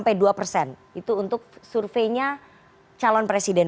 itu untuk surveinya calon presiden